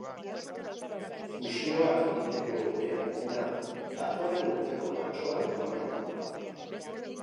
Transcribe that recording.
Fusioak egiteko epea gainera, datorren urteko martxoan amaituko da.